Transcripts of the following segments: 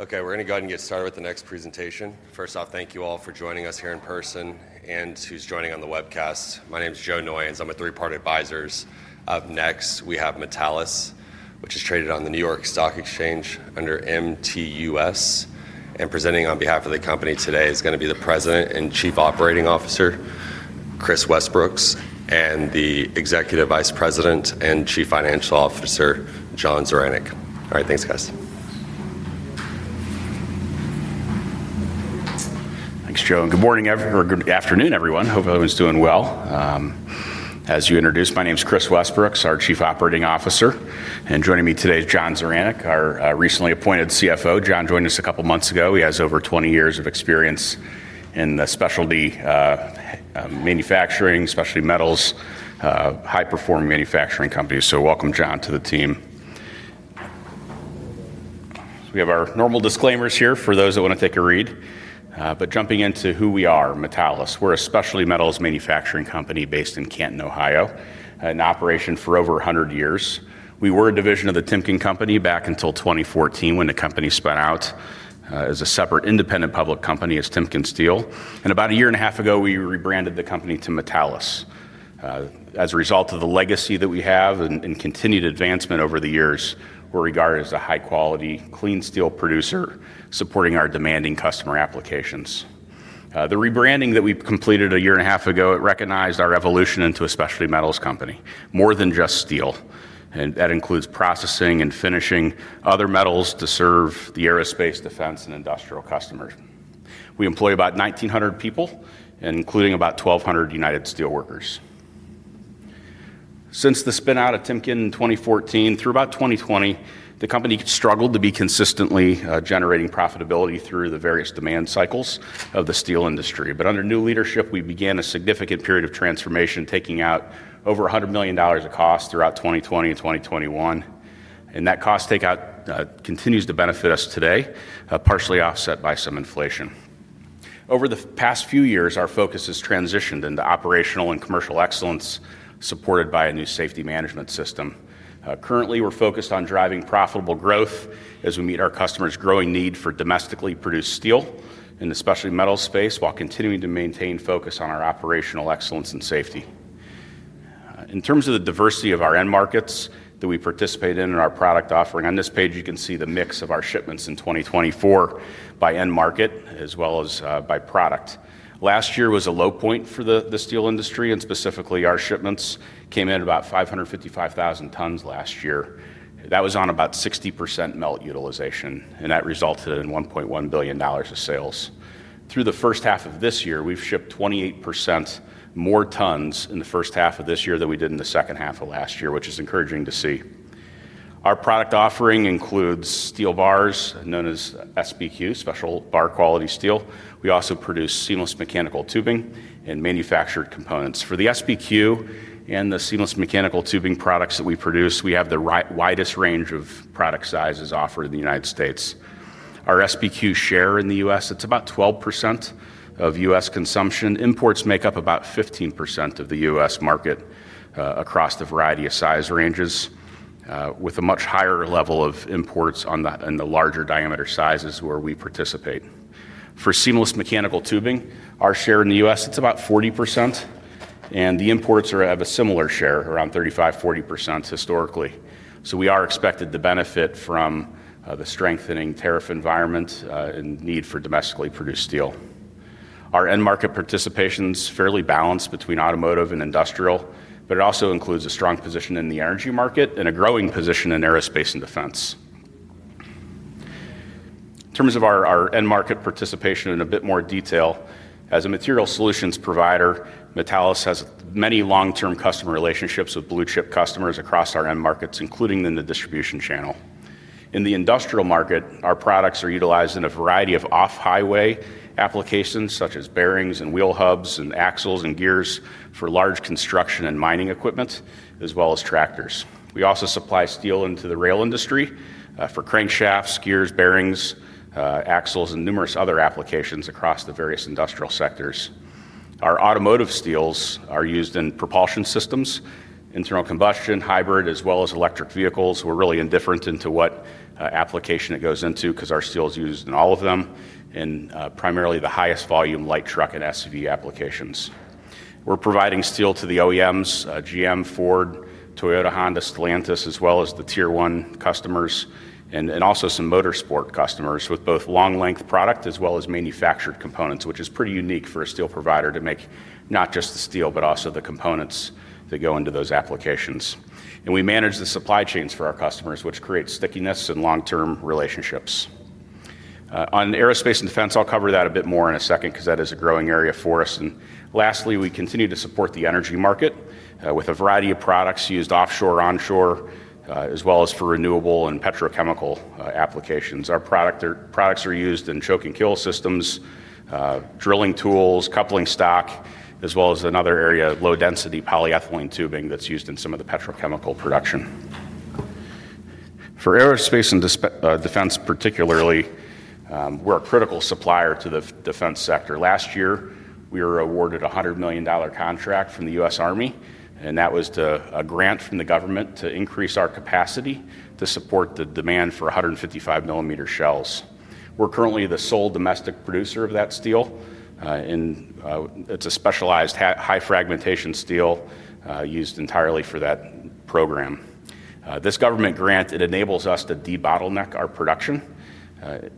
Okay, we're going to go ahead and get started with the next presentation. First off, thank you all for joining us here in person and who's joining on the webcast. My name is Joe Noyons, I'm a Three Part Advisors. Up next, we have Metallus, which is traded on the New York Stock Exchange under MTUS. Presenting on behalf of the company today is going to be the President and Chief Operating Officer, Kris Westbrooks, and the Executive Vice President and Chief Financial Officer, John Zaranec. All right, thanks guys. Thanks, Joe. Good morning, everyone. Good afternoon, everyone. Hope everyone's doing well. As you introduced, my name is Kris Westbrooks, our Chief Operating Officer, and joining me today is John Zaranec, our recently appointed CFO. John joined us a couple of months ago. He has over 20 years of experience in the specialty, manufacturing, especially metals, high-performing manufacturing companies. Welcome, John, to the team. We have our normal disclaimers here for those that want to take a read. Jumping into who we are, Metallus, we're a specialty metals manufacturing company based in Canton, Ohio, in operation for over 100 years. We were a division of The Timken Company back until 2014 when the company spun out as a separate independent public company as TimkenSteel. About a year and a half ago, we rebranded the company to Metallus. As a result of the legacy that we have and continued advancement over the years, we're regarded as a high-quality, clean steel producer supporting our demanding customer applications. The rebranding that we completed a year and a half ago recognized our evolution into a specialty metals company, more than just steel. That includes processing and finishing other metals to serve the aerospace, defense, and industrial customers. We employ about 1,900 people, including about 1,200 United Steelworkers. Since the spin-out of Timken in 2014 through about 2020, the company struggled to be consistently generating profitability through the various demand cycles of the steel industry. Under new leadership, we began a significant period of transformation, taking out over $100 million of costs throughout 2020 and 2021. That cost takeout continues to benefit us today, partially offset by some inflation. Over the past few years, our focus has transitioned into operational and commercial excellence, supported by a new safety management system. Currently, we're focused on driving profitable growth as we meet our customers' growing need for domestically produced steel in the specialty metals space, while continuing to maintain focus on our operational excellence and safety. In terms of the diversity of our end markets that we participate in and our product offering, on this page, you can see the mix of our shipments in 2024 by end market as well as by product. Last year was a low point for the steel industry, and specifically, our shipments came in at about 555,000 tons last year. That was on about 60% melt utilization, and that resulted in $1.1 billion of sales. Through the first half of this year, we've shipped 28% more tons in the first half of this year than we did in the second half of last year, which is encouraging to see. Our product offering includes steel bars known as SBQ, special bar quality steel. We also produce seamless mechanical tubing and manufactured components. For the SBQ and the seamless mechanical tubing products that we produce, we have the widest range of product sizes offered in the United States. Our SBQ share in the U.S., it's about 12% of U.S. consumption. Imports make up about 15% of the U.S. market, across the variety of size ranges, with a much higher level of imports on the larger diameter sizes where we participate. For seamless mechanical tubing, our share in the U.S., it's about 40%, and the imports have a similar share, around 35%, 40% historically. We are expected to benefit from the strengthening tariff environment and need for domestically produced steel. Our end market participation is fairly balanced between automotive and industrial, but it also includes a strong position in the energy market and a growing position in aerospace and defense. In terms of our end market participation in a bit more detail, as a material solutions provider, Metallus has many long-term customer relationships with blue-chip customers across our end markets, including in the distribution channel. In the industrial market, our products are utilized in a variety of off-highway applications, such as bearings and wheel hubs and axles and gears for large construction and mining equipment, as well as tractors. We also supply steel into the rail industry for crankshafts, gears, bearings, axles, and numerous other applications across the various industrial sectors. Our automotive steels are used in propulsion systems, internal combustion, hybrid, as well as electric vehicles. We're really indifferent into what application it goes into because our steel is used in all of them, and primarily the highest volume light truck and SUV applications. We're providing steel to the OEMs, GM, Ford, Toyota, Honda, Stellantis, as well as the tier one customers, and also some motorsport customers with both long-length product as well as manufactured components, which is pretty unique for a steel provider to make not just the steel, but also the components that go into those applications. We manage the supply chains for our customers, which creates stickiness and long-term relationships. On aerospace and defense, I'll cover that a bit more in a second because that is a growing area for us. We continue to support the energy market with a variety of products used offshore, onshore, as well as for renewable and petrochemical applications. Our products are used in choke and kill systems, drilling tools, coupling stock, as well as another area, low-density polyethylene tubing that's used in some of the petrochemical production. For aerospace and defense particularly, we're a critical supplier to the defense sector. Last year, we were awarded a $100 million contract from the U.S. Army, and that was a grant from the government to increase our capacity to support the demand for 155 mm shells. We're currently the sole domestic producer of that steel, and it's a specialized high-fragmentation steel used entirely for that program. This government grant enables us to de-bottleneck our production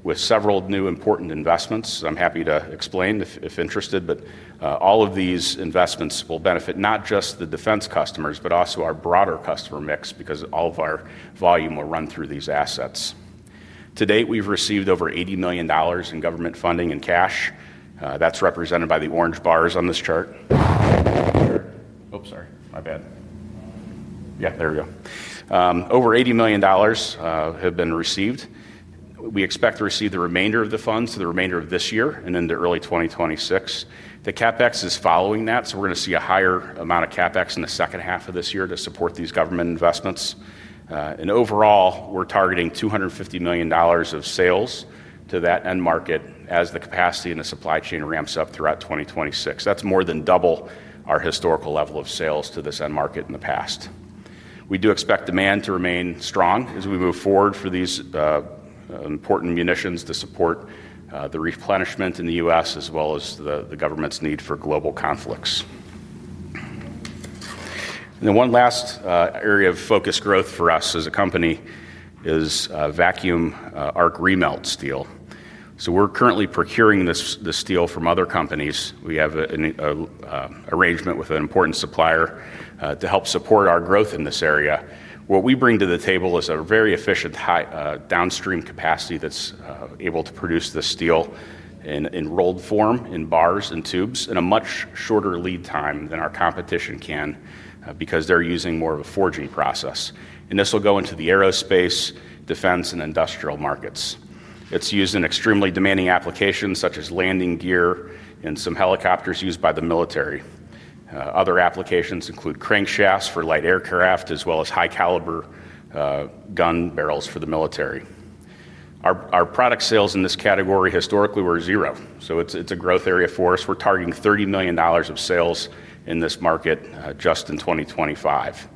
with several new important investments. All of these investments will benefit not just the defense customers, but also our broader customer mix because all of our volume will run through these assets. To date, we've received over $80 million in government funding and cash. That's represented by the orange bars on this chart. Over $80 million have been received. We expect to receive the remainder of the funds for the remainder of this year and into early 2026. The CapEx is following that, so we're going to see a higher amount of CapEx in the second half of this year to support these government investments. Overall, we're targeting $250 million of sales to that end market as the capacity in the supply chain ramps up throughout 2026. That's more than double our historical level of sales to this end market in the past. We do expect demand to remain strong as we move forward for these important munitions to support the replenishment in the U.S., as well as the government's need for global conflicts. One last area of focused growth for us as a company is vacuum arc remelt steel. We're currently procuring this steel from other companies. We have an arrangement with an important supplier to help support our growth in this area. What we bring to the table is a very efficient downstream capacity that's able to produce the steel in rolled form in bars and tubes in a much shorter lead time than our competition can because they're using more of a 4G process. This will go into the aerospace, defense, and industrial markets. It's used in extremely demanding applications such as landing gear and some helicopters used by the military. Other applications include crankshafts for light aircraft, as well as high-caliber gun barrels for the military. Our product sales in this category historically were zero. It's a growth area for us. We're targeting $30 million of sales in this market just in 2025.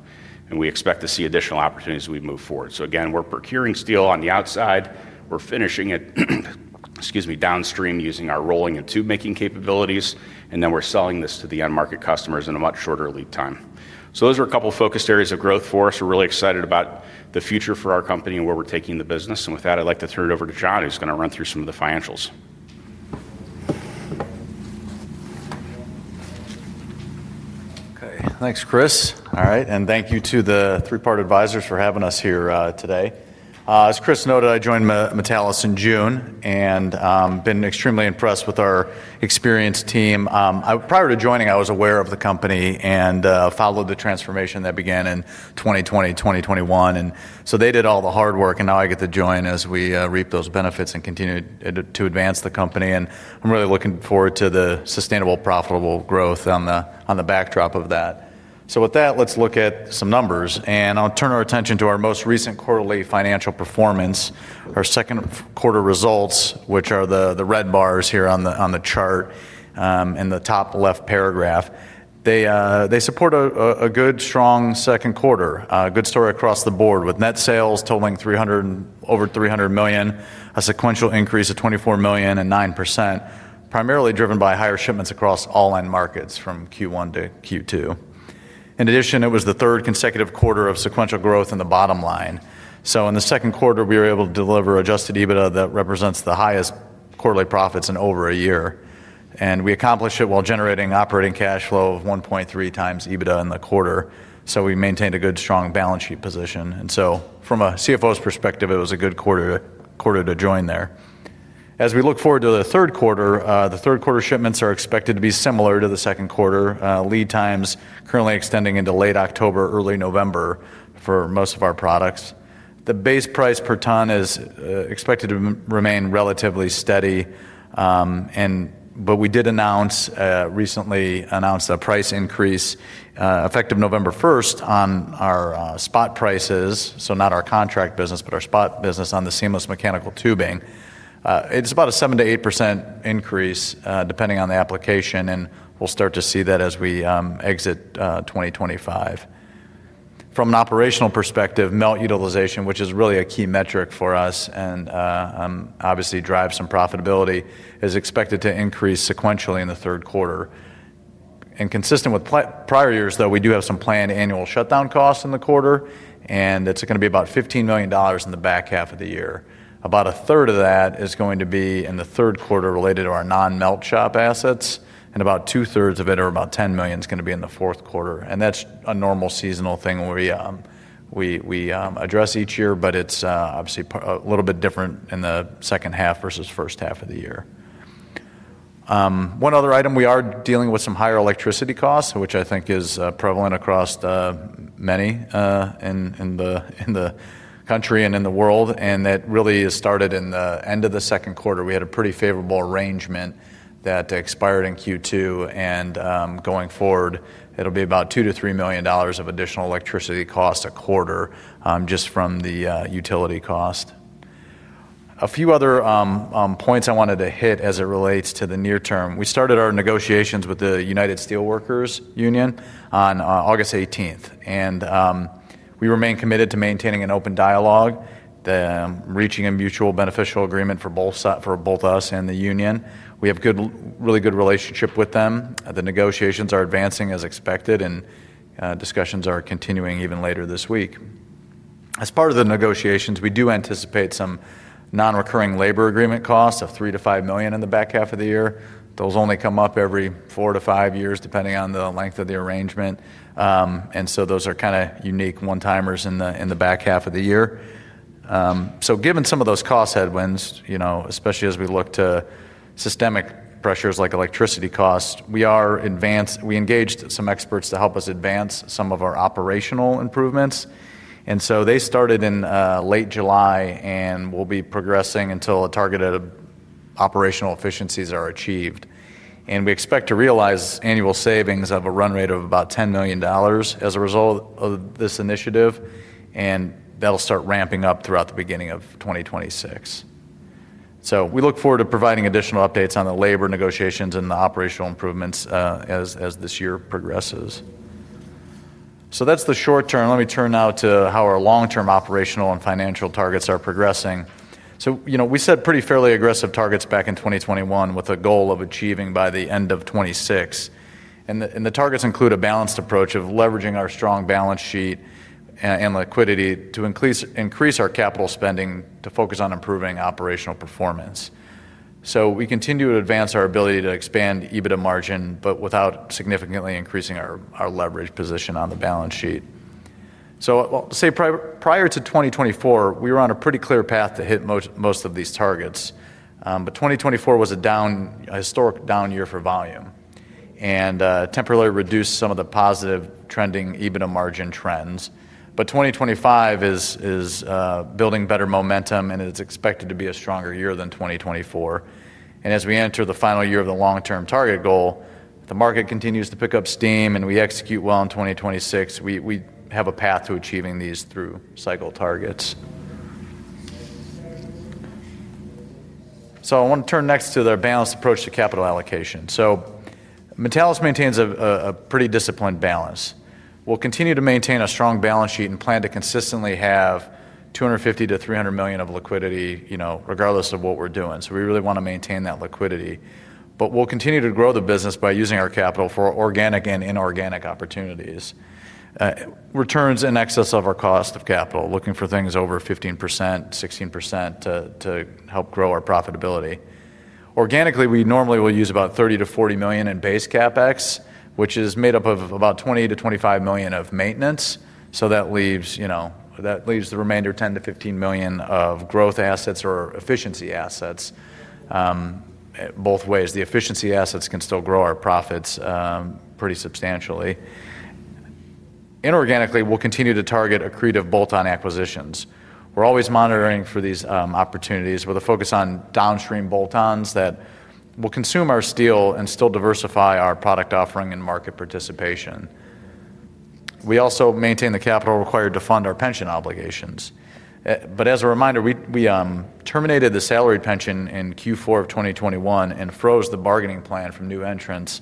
We expect to see additional opportunities as we move forward. Again, we're procuring steel on the outside. We're finishing it, excuse me, downstream using our rolling and tube-making capabilities. Then we're selling this to the end market customers in a much shorter lead time. Those are a couple of focused areas of growth for us. We're really excited about the future for our company and where we're taking the business. With that, I'd like to turn it over to John, who's going to run through some of the financials. Okay, thanks, Kris. All right, and thank you to the Three Part Advisors for having us here today. As Kris noted, I joined Metallus in June and been extremely impressed with our experienced team. Prior to joining, I was aware of the company and followed the transformation that began in 2020, 2021. They did all the hard work, and now I get to join as we reap those benefits and continue to advance the company. I'm really looking forward to the sustainable, profitable growth on the backdrop of that. With that, let's look at some numbers. I'll turn our attention to our most recent quarterly financial performance, our second quarter results, which are the red bars here on the chart in the top left paragraph. They support a good, strong second quarter, a good story across the board with net sales totaling over $300 million, a sequential increase of $24 million and 9%, primarily driven by higher shipments across all end markets from Q1 to Q2. In addition, it was the third consecutive quarter of sequential growth in the bottom line. In the second quarter, we were able to deliver adjusted EBITDA that represents the highest quarterly profits in over a year. We accomplished it while generating operating cash flow of 1.3x EBITDA in the quarter. We maintained a good, strong balance sheet position. From a CFO's perspective, it was a good quarter to join there. As we look forward to the third quarter, the third quarter shipments are expected to be similar to the second quarter, with lead times currently extending into late October, early November for most of our products. The base price per ton is expected to remain relatively steady. We did announce recently a price increase effective November 1 on our spot prices, so not our contract business, but our spot business on the seamless mechanical tubing. It's about a 7%-8% increase depending on the application, and we'll start to see that as we exit 2025. From an operational perspective, melt utilization, which is really a key metric for us and obviously drives some profitability, is expected to increase sequentially in the third quarter. Consistent with prior years, we do have some planned annual shutdown costs in the quarter, and it's going to be about $15 million in the back half of the year. About 1/3 of that is going to be in the third quarter related to our non-melt shop assets, and about 2/3 of it, or about $10 million, is going to be in the fourth quarter. That's a normal seasonal thing we address each year, but it's obviously a little bit different in the second half versus first half of the year. One other item, we are dealing with some higher electricity costs, which I think is prevalent across many in the country and in the world. That really started in the end of the second quarter. We had a pretty favorable arrangement that expired in Q2. Going forward, it'll be about $2 million-$3 million of additional electricity costs a quarter just from the utility cost. A few other points I wanted to hit as it relates to the near term. We started our negotiations with the United Steelworkers Union on August 18th. We remain committed to maintaining an open dialogue, reaching a mutually beneficial agreement for both us and the union. We have a really good relationship with them. The negotiations are advancing as expected, and discussions are continuing even later this week. As part of the negotiations, we do anticipate some non-recurring labor agreement costs of $3 million-$5 million in the back half of the year. Those only come up every four to five years, depending on the length of the arrangement. Those are kind of unique one-timers in the back half of the year. Given some of those cost headwinds, especially as we look to systemic pressures like electricity costs, we engaged some experts to help us advance some of our operational improvements. They started in late July and will be progressing until targeted operational efficiencies are achieved. We expect to realize annual savings at a run rate of about $10 million as a result of this initiative. That will start ramping up throughout the beginning of 2026. We look forward to providing additional updates on the labor negotiations and the operational improvements as this year progresses. That's the short term. Let me turn now to how our long-term operational and financial targets are progressing. We set pretty fairly aggressive targets back in 2021 with a goal of achieving them by the end of 2026. The targets include a balanced approach of leveraging our strong balance sheet and liquidity to increase our capital spending to focus on improving operational performance. We continue to advance our ability to expand EBITDA margin, but without significantly increasing our leverage position on the balance sheet. Prior to 2024, we were on a pretty clear path to hit most of these targets. 2024 was a historic down year for volume and temporarily reduced some of the positive trending EBITDA margin trends. 2025 is building better momentum, and it's expected to be a stronger year than 2024. As we enter the final year of the long-term target goal, the market continues to pick up steam, and we execute well in 2026. We have a path to achieving these through cycle targets. I want to turn next to the balanced approach to capital allocation. Metallus maintains a pretty disciplined balance. We'll continue to maintain a strong balance sheet and plan to consistently have $250 million-$300 million of liquidity, regardless of what we're doing. We really want to maintain that liquidity. We'll continue to grow the business by using our capital for organic and inorganic opportunities. Returns in excess of our cost of capital, looking for things over 15%, 16% to help grow our profitability. Organically, we normally will use about $30 million-$40 million in base CapEx, which is made up of about $20 million-$25 million of maintenance. That leaves the remainder of $10 million-$15 million of growth assets or efficiency assets. Both ways, the efficiency assets can still grow our profits pretty substantially. Inorganically, we'll continue to target accretive bolt-on acquisitions. We're always monitoring for these opportunities with a focus on downstream bolt-ons that will consume our steel and still diversify our product offering and market participation. We also maintain the capital required to fund our pension obligations. As a reminder, we terminated the salary pension in Q4 of 2021 and froze the bargaining plan from new entrants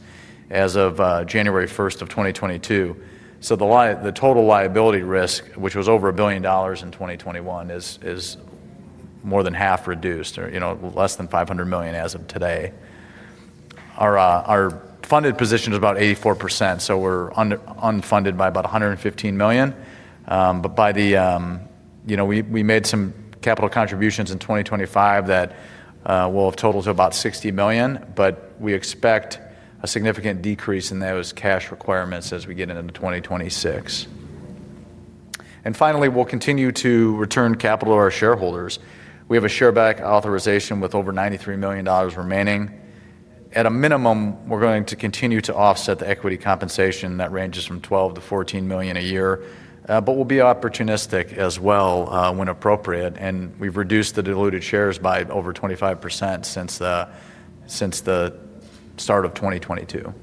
as of January 1, 2022. The total liability risk, which was over $1 billion in 2021, is more than half reduced, less than $500 million as of today. Our funded position is about 84%, so we're unfunded by about $115 million. We made some capital contributions in 2025 that will total to about $60 million, and we expect a significant decrease in those cash requirements as we get into 2026. Finally, we'll continue to return capital to our shareholders. We have a share buck authorization with over $93 million remaining. At a minimum, we're going to continue to offset the equity compensation that ranges from $12 million-$14 million a year. We'll be opportunistic as well when appropriate. We've reduced the diluted shares by over 25% since the start of 2022.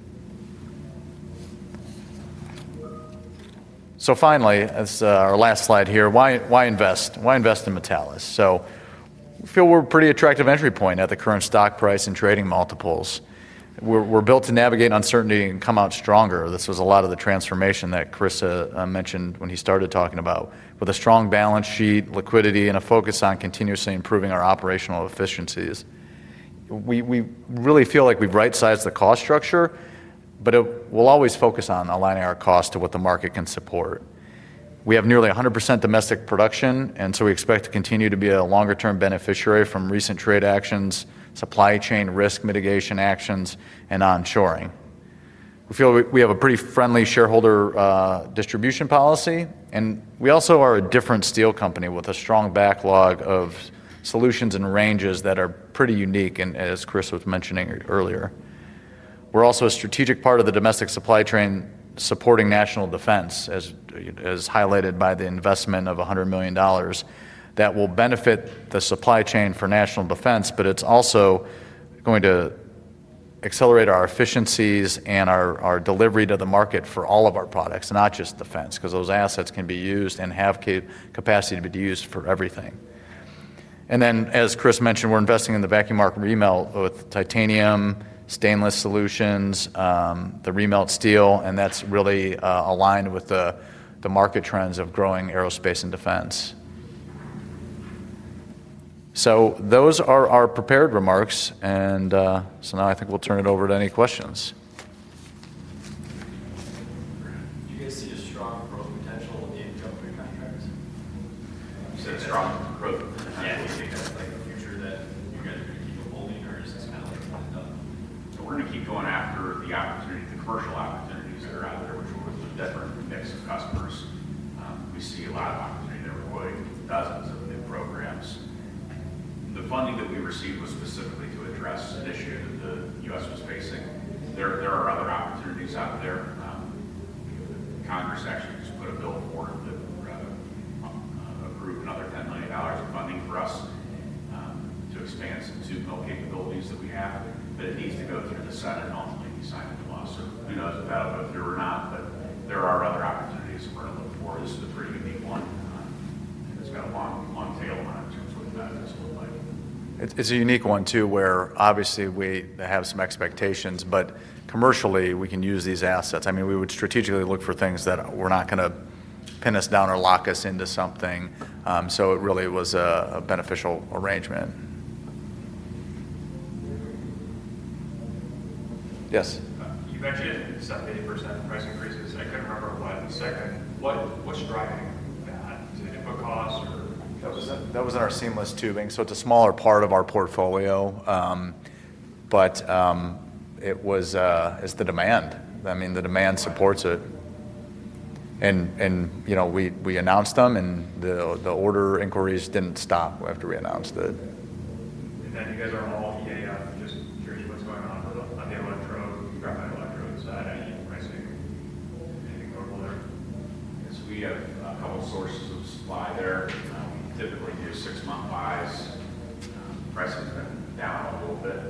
Finally, as our last slide here, why invest? Why invest in Metallus? We feel we're a pretty attractive entry point at the current stock price and trading multiples. We're built to navigate uncertainty and come out stronger. This was a lot of the transformation that Kris mentioned when he started talking about, with a strong balance sheet, liquidity, and a focus on continuously improving our operational efficiencies. We really feel like we've right-sized the cost structure, but we'll always focus on aligning our cost to what the market can support. We have nearly 100% domestic production, and we expect to continue to be a longer-term beneficiary from recent trade actions, supply chain risk mitigation actions, and onshoring. We feel we have a pretty friendly shareholder distribution policy, and we also are a different steel company with a strong backlog of solutions and ranges that are pretty unique, as Kris was mentioning earlier. We're also a strategic part of the domestic supply chain, supporting national defense, as highlighted by the investment of $100 million that will benefit the supply chain for national defense. It's also going to accelerate our efficiencies and our delivery to the market for all of our products, not just defense, because those assets can be used and have capacity to be used for everything. As Kris mentioned, we're investing in the vacuum arc remelt with titanium, stainless solutions, the remelt steel, and that's really aligned with the market trends of growing aerospace and defense. Those are our prepared remarks. I think we'll turn it over to any questions. Do you guys see a strong growth potential in the inventory contracts? It's a strong growth potential to be kind of like a future that you guys are making a whole new practice that's kind of like a step up. We're going to keep going after the islands, meaning the commercial islands that are used there either, which are with a different mix of customers. We see a lot of opportunity to avoid the presence of new programs. The funding that we received was specifically to address that issue that the U.S. was facing. There are other opportunities out there. Congress actually just put a bill forward that we're going to approve another $10 million of funding for us to advance and to build capabilities that we have. It needs to go through the Senate and ultimately be signed into law. Who knows about it? If there are not, there are other opportunities. What I look for is the pretty unique one. It's a unique one too, where obviously they have some expectations, but commercially we can use these assets. I mean, we would strategically look for things that were not going to pin us down or lock us into something. It really was a beneficial arrangement. You mentioned 70% price increases. I couldn't remember what in a second. What's driving that? Is it the cost or? That was our seamless mechanical tubing. It's a smaller part of our portfolio, but the demand supports it. We announced them, and the order inquiries didn't stop after we announced it. You guys are all EAF, just in terms of what's going on. I know you want to try to decommand electrodes. I know you have a nice thing. I think we're going to go there. We have all sources of supply there. Typically, we use six-month buys. Price is down a little bit. As demand was lower last year, that's been stable. No issue with supply. There's involvement of suppliers on the subordinates and TA.